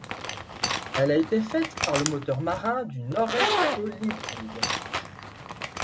Elle a été faite par le moteur marin du Nord-Est Co Ltd.